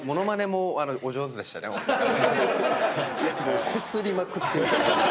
いやもうこすりまくってる。